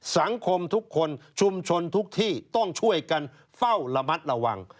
สังคมทุกคนชุมชนทุกที่ต้องช่วยกันเฝ้าระมัดระวัง